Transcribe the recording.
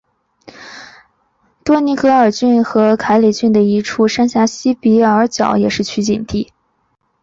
多尼戈尔郡和凯里郡的一处山岬西比尔角也是取景地。